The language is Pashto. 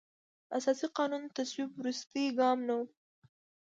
د اساسي قانون تصویب وروستی ګام نه و.